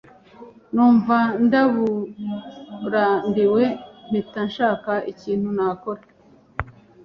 numva ndaburambiwe mpita nshaka ikintu nakora